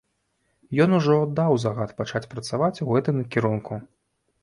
Ён ужо аддаў загад пачаць працаваць у гэтым накірунку.